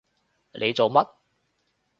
你做乜？